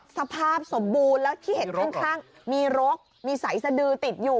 สภาพสมบูรณ์แล้วที่เห็นข้างมีรกมีสายสดือติดอยู่